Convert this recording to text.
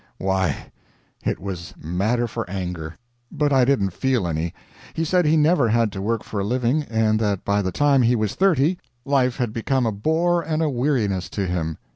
Why, it was matter for anger, but I didn't feel any. He said he never had to work for a living, and that by the time he was thirty life had become a bore and a weariness to him.